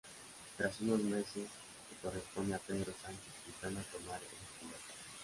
Tras unos meses, le corresponde a Pedro Sánchez Quintana tomar el relevo.